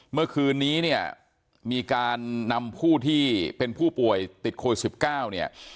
เมื่อคืนนี้เนี่ยมีการนำผู้ที่เป็นผู้ป่วยติดโควิด๑๙เนี่ย